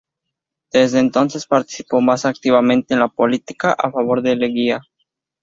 Desde entonces participó más activamente en la política, a favor de Leguía.